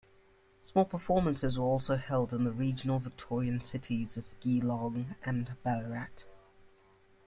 Small performances were also held in the regional Victorian cities of Geelong and Ballarat.